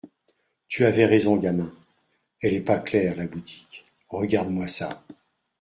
Tu avais raison, gamin, elle est pas claire, la boutique. Regarde-moi ça.